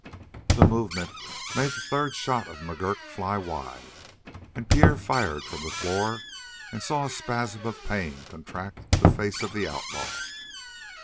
That movement made the third shot of McGurk fly wide and Pierre fired from the floor and saw a spasm of pain contract the face of the outlaw.